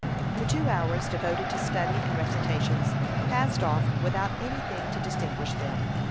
The two hours devoted to study and recitations passed off without any thing to distinguish them.